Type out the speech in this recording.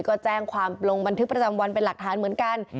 ก็แจ้งความลงบันทึกประจำวันเป็นหลักฐานเหมือนกัน